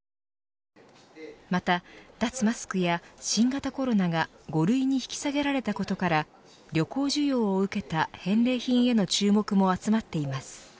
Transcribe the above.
また、脱マスクや新型コロナが５類に引き下げられたことから旅行需要を受けた返礼品への注目も集まっています。